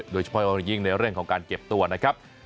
โดยเฉพาะยิ่งในเรื่องของการเก็บตัวนะครับ